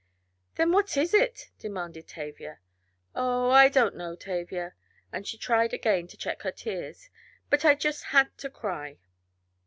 "Then what is it?" demanded Tavia. "Oh, I don't know, Tavia," and she tried again to check her tears, "but I just had to cry."